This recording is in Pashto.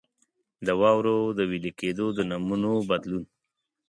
د واورو د وېلې کېدو د نمونو بدلون.